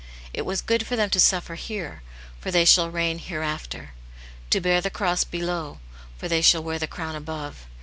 It was good for them to suffer hcrcy for they shall reign hereafter — to bear the cross below, for they shall wear the crown ^^^z;^